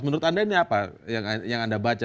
menurut anda ini apa yang anda baca